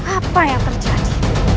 apa yang terjadi